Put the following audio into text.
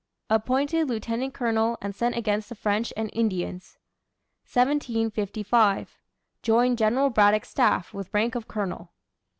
Appointed lieutenant colonel and sent against the French and Indians. 1755. Joined General Braddock's staff with rank of colonel.